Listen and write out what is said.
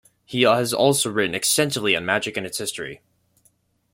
He has also written extensively on magic and its history.